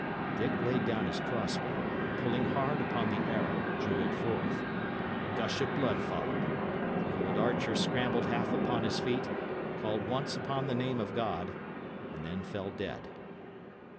Dick laid down his cross bow, and pulling hard upon the arrow, drew it forth. A gush of blood followed; the old archer scrambled half upon his feet, called once upon the name of God, and then fell dead.